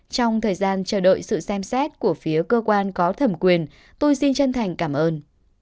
trong thời gian chờ đợi sự xem xét của phía cơ quan có thẩm quyền tôi xin chân thành cảm ơn